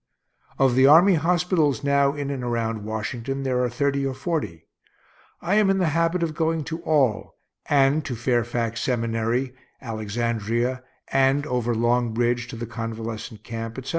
Of the army hospitals now in and around Washington, there are thirty or forty. I am in the habit of going to all, and to Fairfax seminary, Alexandria, and over Long Bridge to the convalescent camp, etc.